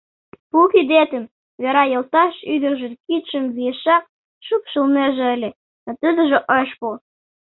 Пу кидетым, — Вера йолташ ӱдыржын кидшым виешак шупшылнеже ыле, но тудыжо ыш пу.